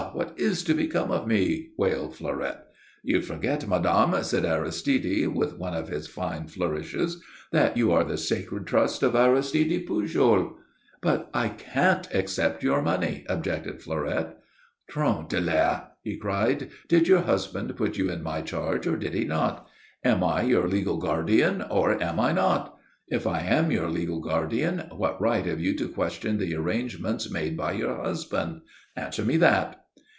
_ what is to become of me?" wailed Fleurette. "You forget, madame," said Aristide, with one of his fine flourishes, "that you are the sacred trust of Aristide Pujol." "But I can't accept your money," objected Fleurette. "Tron de l'air!" he cried. "Did your husband put you in my charge or did he not? Am I your legal guardian, or am I not? If I am your legal guardian, what right have you to question the arrangements made by your husband? Answer me that."